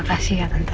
makasih ya tante